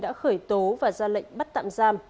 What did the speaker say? đã khởi tố và ra lệnh bắt tạm giam